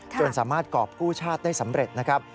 จนสามารถกรอบกู้ชาติได้สำเร็จนะครับ